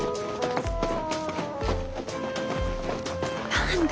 何で？